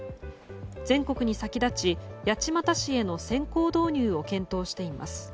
全国に先立ち、八街市への先行導入を検討しています。